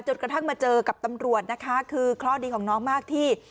กระทั่งมาเจอกับตำรวจนะคะคือเคราะห์ดีของน้องมากที่